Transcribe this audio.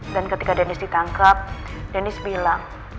dan ketika dennis ditangkap dennis bilang